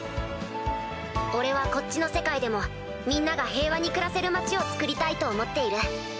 俺はこっちの世界でもみんなが平和に暮らせる町をつくりたいと思っている。